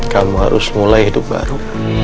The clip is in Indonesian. kamu harus mulai hidup baru